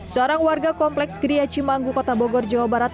seorang warga kompleks geria cimanggu kota bogor jawa barat